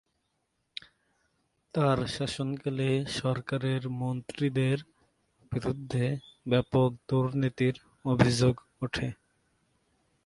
তার শাসনকালে সরকারের মন্ত্রীদের বিরুদ্ধে ব্যাপক দুর্নীতির অভিযোগ ওঠে।